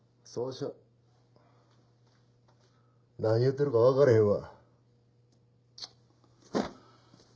何言うてるかわからへんわ。